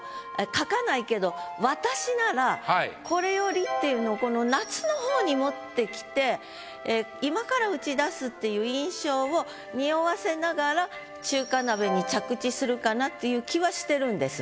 書かないけど私なら「これより」っていうのこの「夏」の方に持ってきてっていう印象をにおわせながら「中華鍋」に着地するかなっていう気はしてるんです。